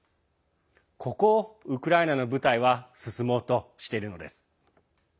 ここをウクライナの部隊は進もうとしているのです。